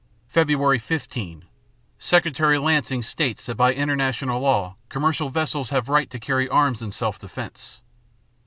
_Feb. 15 Secretary Lansing states that by international law commercial vessels have right to carry arms in self defense.